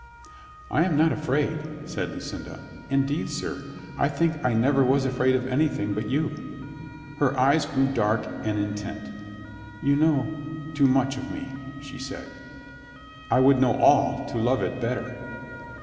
"I am not afraid," said Lucinda. "Indeed, sir, I think I never was afraid of anything but you." Her eyes grew dark and intent. "You know — too much of me" she said. "I would know all to love it better."